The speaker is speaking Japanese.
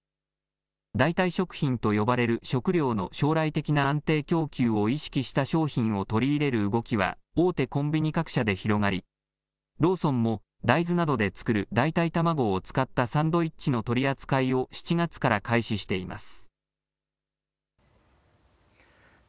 代替食品と呼ばれる食料の将来的な安定供給を意識した商品を取り入れる動きは大手コンビニ各社で広がりローソンも大豆などで作る代替卵を使ったサンドイッチの取り扱いを７月から開始しています。